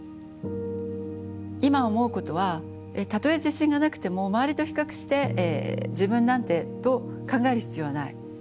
今思うことはたとえ自信がなくても周りと比較して「自分なんて」と考える必要はない。